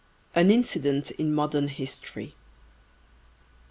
AN INCIDENT IN MODERN HISTORY.